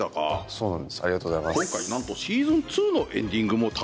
そうなんですありがとうございます。